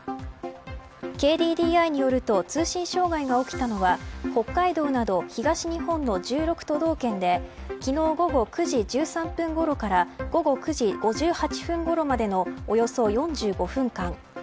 ＫＤＤＩによると通信障害が起きたのは北海道など東日本の１６都道県で昨日、午後９時１３分ごろから午後９時５８分ごろまでのおよそ４５分間。